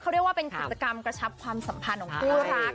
เขาเรียกว่าเป็นกิจกรรมกระชับความสัมพันธ์ของคู่รัก